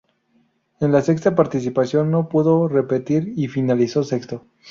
En la sexta participación no pudo repetir y finalizó sexto.